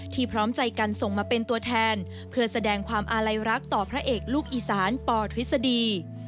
พร้อมใจกันส่งมาเป็นตัวแทนเพื่อแสดงความอาลัยรักต่อพระเอกลูกอีสานปทฤษฎี